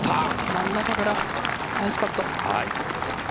真ん中からナイスパット。